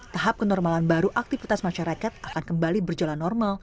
tahap kenormalan baru aktivitas masyarakat akan kembali berjalan normal